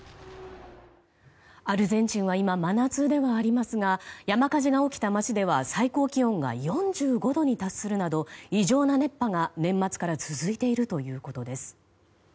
アルゼンチンは今、真夏ではありますが山火事が起きた街では最高気温が４５度に達するなど異常な熱波が年末から続いているということです。